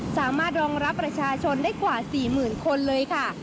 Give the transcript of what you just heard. สามารถรองรับประชาชนได้กว่า๔๐๐๐คนเลยค่ะ